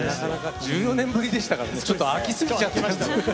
１４年ぶりでしたからねちょっと空きすぎちゃった。